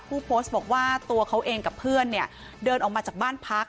ผู้โพสต์บอกว่าตัวเขาเองกับเพื่อนเนี่ยเดินออกมาจากบ้านพัก